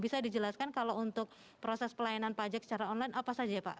bisa dijelaskan kalau untuk proses pelayanan pajak secara online apa saja ya pak